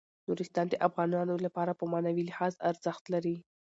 نورستان د افغانانو لپاره په معنوي لحاظ ارزښت لري.